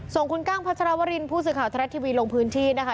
ส่งคุณกั้งพัชรวรินผู้สื่อข่าวทรัฐทีวีลงพื้นที่นะคะ